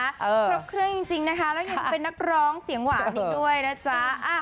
ครบเครื่องจริงนะคะแล้วยังเป็นนักร้องเสียงหวานอีกด้วยนะจ๊ะ